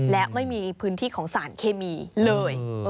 และไม่มีพื้นที่ของสารเคมีเลย